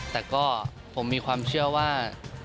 แต่ก็ผมมีความเชื่อว่า